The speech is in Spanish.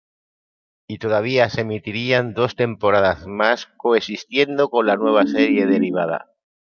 Y todavía se emitirían dos temporadas más coexistiendo con la nueva serie derivada.